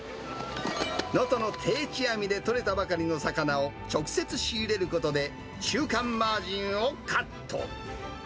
能登の定置網で取れたばかりの魚を直接仕入れることで、中間マージンをカット。